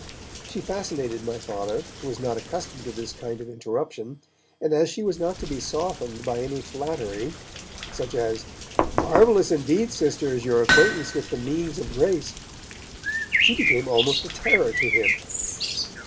She fascinated my Father, who was not accustomed to this kind of interruption, and as she was not to be softened by any flattery (such as: 'Marvellous indeed, Sister, is your acquaintance with the means of grace!') she became almost a terror to him.